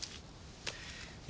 え